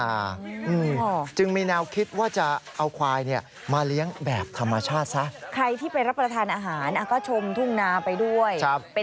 แฟนทำให้ควายกินย่าด้วย